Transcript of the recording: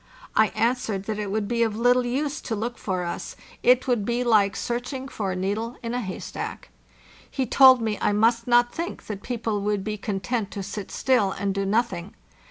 I answered that it would be of little use to look for us ——it would be like THE JOURNEY SOUTHWARD 587 searching fora needle in a hay stack. He told me I must not think that people would be content to sit still and do nothing.